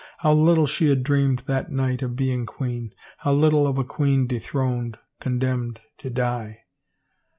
How little she had dreamed that night of being queen — how little of a queen de throned, condemned to die!